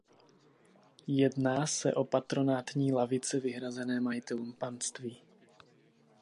Jedná se o patronátní lavice vyhrazené majitelům panství.